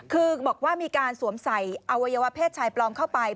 คือบอกว่ามีการสวมใส่อวัยวะเพศชายปลอมเข้าไป